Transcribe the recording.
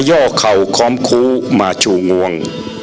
่อเข่าค้อมคู้มาชูงวง